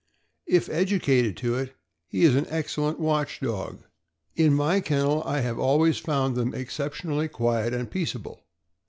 If educated to it, he is an excellent watch dog. THE BEAGLE HOUND. 279 In my kennel I have always found them exceptionally quiet and peaceable.